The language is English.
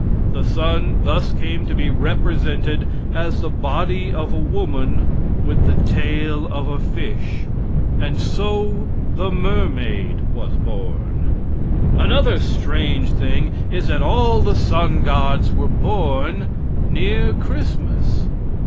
The sun thus came to be represented as the body of a woman with the tail of a fish, and so the mermaid was born. Another strange thing is that all the sun gods were born near Christmas.